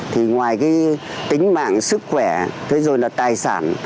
thì ngoài cái tính mạng sức khỏe thế rồi là tài sản